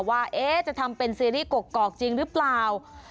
ว่าจะทำเป็นซีรีส์กอกจริงหรือเปล่า